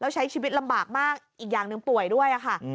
ใช้ชีวิตลำบากมากอีกอย่างหนึ่งป่วยด้วยค่ะ